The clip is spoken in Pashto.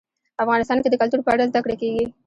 افغانستان کې د کلتور په اړه زده کړه کېږي.